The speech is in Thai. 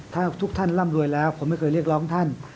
ถ้าทุกท่านร่ำรวยแล้วผมไม่เคยเรียกร้องท่าน